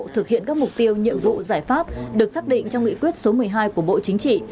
thực hiện các mục tiêu nhiệm vụ giải pháp được xác định trong nghị quyết số một mươi hai của bộ chính trị